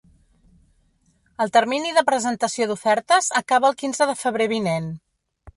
El termini de presentació d’ofertes acaba el quinze de febrer vinent.